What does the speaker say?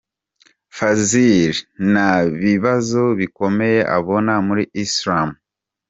Fazil nta bibazo bikomeye abona muri Islam .